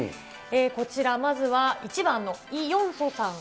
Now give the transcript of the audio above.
こちら、まずは１番のイ・ヨンソさん。